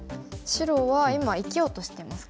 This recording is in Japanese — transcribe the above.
白は今生きようとしてますか？